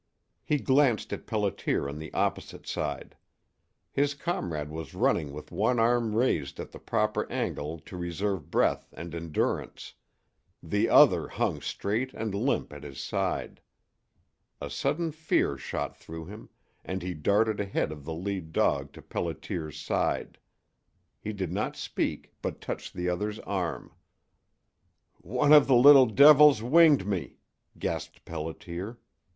He glanced at Pelliter on the opposite side. His comrade was running with one arm raised at the proper angle to reserve breath and endurance; the other hung straight and limp at his side. A sudden fear shot through him, and he darted ahead of the lead dog to Pelliter's side. He did not speak, but touched the other's arm. "One of the little devil's winged me," gasped Pelliter.